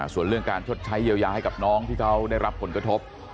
ส่วนเรื่องการชดใช้เยียวยาให้กับน้องที่เขาได้รับผลกระทบ